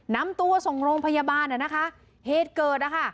นำตัวส่งโรงพยาบาลนะคะเหตุเกิดนะคะ